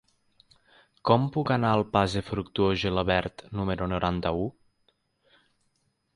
Com puc anar al pas de Fructuós Gelabert número noranta-u?